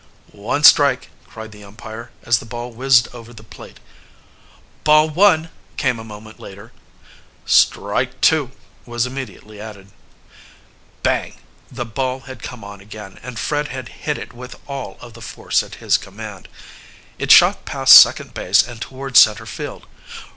"One strike!" cried the umpire as the ball whizzed over the plate. "Ball one!" came a moment later. "Strike two!" was immediately added. Bang! the ball had come on again, and Fred had hit it with all of the force at his command. It shot past second base and toward centerfield.